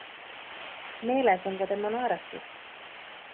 Meeles on ka tema naeratus.